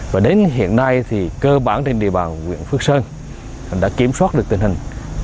và đến hiện nay thì cơ bản trên địa bàn huyện phước sơn đã kiểm soát được tình hình